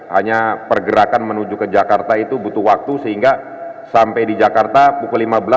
hanya pergerakan menuju ke jakarta itu butuh waktu sehingga sampai di jakarta pukul lima belas langsung melaksanakan operasi pencarian